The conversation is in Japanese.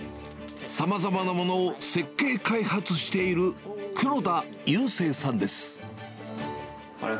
さまざまなものを設計開発している黒田悠生さんです。